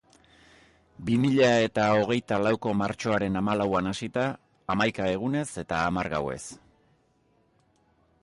Bi mila eta hogeita laukoko martxoaren hamalauan hasita, hamaika egunez eta hamar gauez.